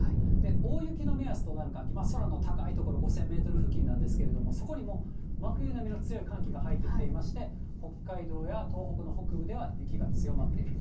大雪の目安となる寒気、空の高い所、５０００メートル付近なんですけれども、そこにも真冬並みの強い寒気が入ってきていまして、北海道や東北の北部では雪が強まっていると。